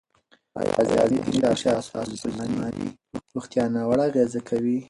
آیا ذهني فشار ستاسو پر جسماني روغتیا ناوړه اغېزه کوي؟